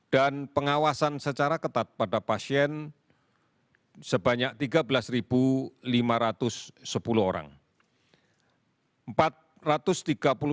dan pengawasan secara ketat pada pasien sebanyak tiga belas lima ratus sepuluh orang